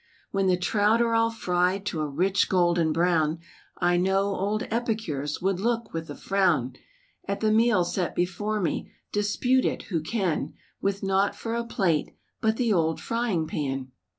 When the trout are all fried to a rich golden brown, I know old epicures would look, with a frown At the meal set before me; dispute it who can, With naught for a plate but the old frying pan.